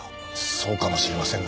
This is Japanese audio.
そうかもしれませんが。